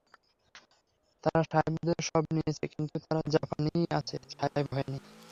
তারা সাহেবদের সব নিয়েছে, কিন্তু তারা জাপানীই আছে, সাহেব হয়নি।